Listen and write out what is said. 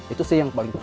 itu sih yang